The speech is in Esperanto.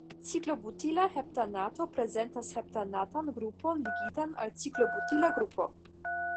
Ciklobutila heptanato prezentas heptanatan grupon ligitan al ciklobutila grupo.